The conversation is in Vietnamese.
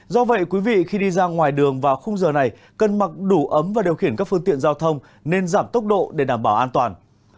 do vậy quý vị khi đi ra ngoài đường vào khung giờ này cần mặc đủ ấm và điều khiển các phương tiện giao thông nên giảm tốc độ để đảm bảo an toàn